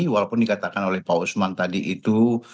walaupun dikatakan oleh pak usman tadi itu